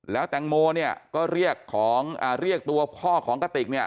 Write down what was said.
แล้วแตงโมเนี่ยก็เรียกตัวพ่อของกติกเนี่ย